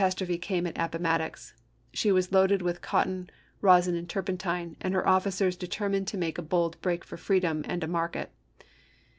xt trophe came at Appomattox ; she was loaded with cotton, rosin, and turpentine, and her officers de termined to make a bold break for freedom and a market.